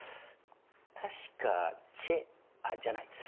確かチェじゃない。